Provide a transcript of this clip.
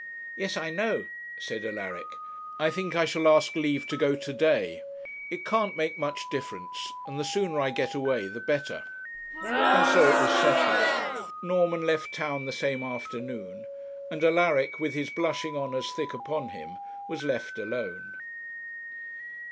'Yes, I know,' said Alaric. 'I think I shall ask leave to go to day. It can't make much difference, and the sooner I get away the better.' And so it was settled. Norman left town the same afternoon, and Alaric, with his blushing honours thick upon him, was left alone.